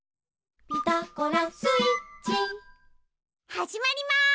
はじまります！